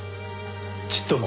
ちっとも。